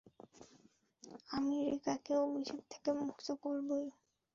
আমি রিকাকে অভিশাপ থেকে মুক্ত করবোই!